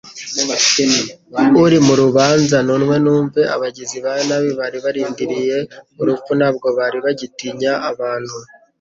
Uri mu rubanza nunwe n'umve?" Abagizi ba nabi bari barindiriye urupfu ntabwo bari bagitinya abantu.